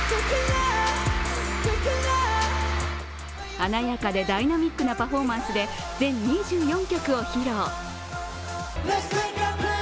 華やかでダイナミックなパフォーマンスで全２４曲を披露。